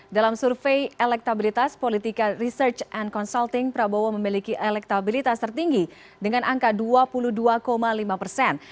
dalam survei elektabilitas politika research and consulting prabowo memiliki elektabilitas tertinggi dengan angka dua puluh dua lima persen